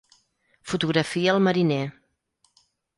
Fotografia el mariner.